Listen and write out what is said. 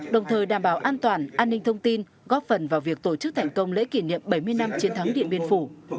đồng thời đảm bảo an toàn an ninh thông tin góp phần vào việc tổ chức thành công lễ kỷ niệm bảy mươi năm chiến thắng điện biên phủ